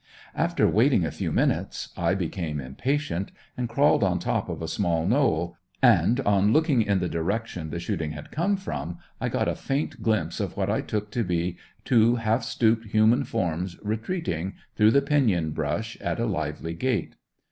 After waiting a few minutes I became impatient and crawled on top of a small knoll and, on looking in the direction the shooting had come from, I got a faint glimpse of what I took to be two half stooped human forms retreating, through the pinyon brush, at a lively gait.